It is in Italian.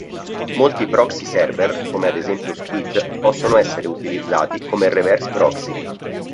Molti proxy server, come ad esempio Squid, possono essere utilizzati come reverse proxy.